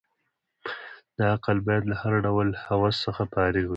دا عقل باید له هر ډول هوس څخه فارغ وي.